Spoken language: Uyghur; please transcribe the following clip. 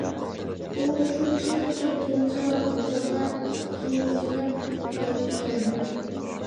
ئۇ شۇ چىقىپ كەتكەنچە غۇلجىغا ئىككىنچىلەپ قايتىپ كەلمىدى.